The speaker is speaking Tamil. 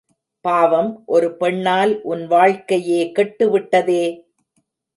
பாவம், ஒரு பெண்ணால் உன் வாழ்க்கையே கெட்டு விட்டதே!